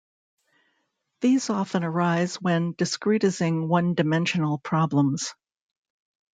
These often arise when discretising one-dimensional problems.